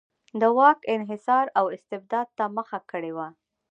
د واک انحصار او استبداد ته مخه کړې وه.